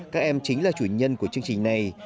các em chính là chủ nhân của chương trình này